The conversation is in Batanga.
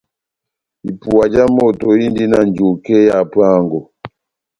Ipuwa já moto indi na njuke ya hapuango.